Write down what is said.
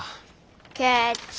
ケチ。